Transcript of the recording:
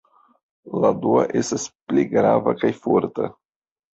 La dua estis pli grava kaj forta.